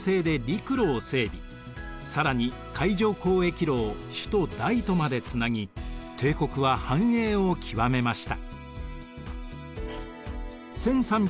更に海上交易路を首都・大都までつなぎ帝国は繁栄を極めました。